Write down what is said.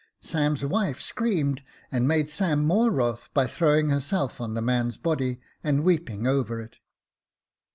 Sam's wife screamed, and made Sam more wroth by throwing herself on the man's body, and weeping over it.